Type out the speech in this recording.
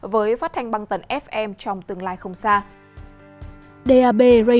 với phát thanh băng tần fm trong tương lai không xa